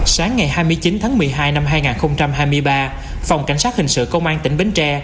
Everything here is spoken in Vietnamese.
sáng ngày hai mươi chín tháng một mươi hai năm hai nghìn hai mươi ba phòng cảnh sát hình sự công an tỉnh bến tre